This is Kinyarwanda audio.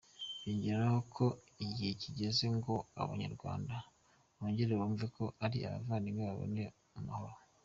yongeraho ko igihe kigeze ngo abanyarwanda bongere bumve ko ari abavandimwe, babane mu mahoro.